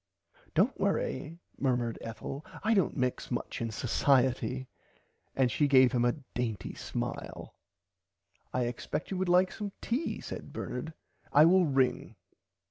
Dont worry murmered Ethel I dont mix much in Socierty and she gave him a dainty smile. I expect you would like some tea said Bernard I will ring.